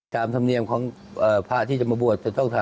ในจังหวัดเราค่อยดูแล